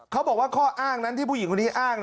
เขาบอกว่าข้ออ้างนั้นที่ผู้หญิงคนนี้อ้าง